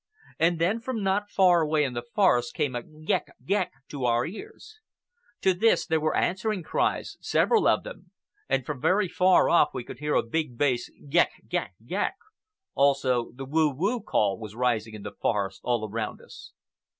And then, from not far away in the forest, came a "Goëk! Goëk!" to our ears. To this there were answering cries, several of them, and from very far off we could hear a big, bass "Goëk! Goëk! Goëk!" Also, the "Whoo whoo!" call was rising in the forest all around us.